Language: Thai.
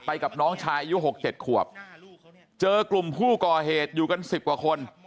กับน้องชายอายุ๖๗ขวบเจอกลุ่มผู้ก่อเหตุอยู่กัน๑๐กว่าคน